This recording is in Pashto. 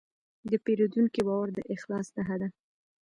د پیرودونکي باور د اخلاص نښه ده.